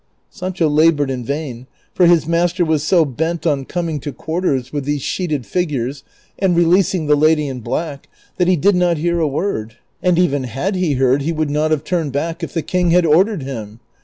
Sancho labored in vain, for his master Avas so bent on coming to quarters with 430 DON QUIXOTE. these sheeted figures and releasing the lady in black that he did not hear a wurd ; and even had he heard, he woidd not have turned bac!: if the king had ordered him.